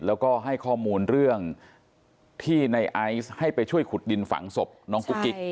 แล้วก็ให้ข้อมูลเรื่องที่ในไอซ์ให้ไปช่วยขุดดินฝังศพน้องกุ๊กกิ๊ก